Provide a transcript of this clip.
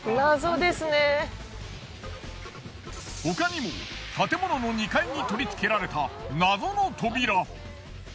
他にも建物の２階に取りつけられた謎の扉。